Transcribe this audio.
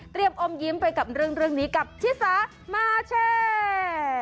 เตรียมอมยิ้มไปกับเรื่องนี้กับที่สามาร์เชอร์